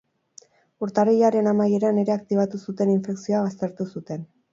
Urtarrilaren amaieran ere aktibatu zuten infekzioa baztertu zuten.